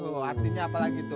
oh artinya apa lagi tuh